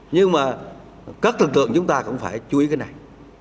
nhưng mà các lực tượng chúng ta cũng phải chú ý cái này